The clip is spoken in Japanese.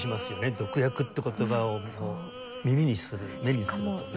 毒薬って言葉を耳にする目にするとね。